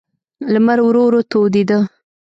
لمر ورو ورو تودېده.